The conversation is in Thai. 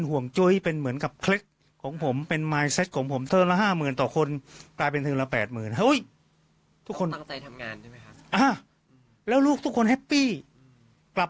วันนี้ไทยรัฐจัดให้นะคะ